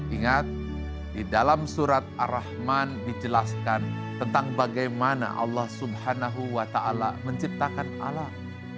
ingat di dalam surat ar rahman dijelaskan tentang bagaimana allah swt menciptakan alam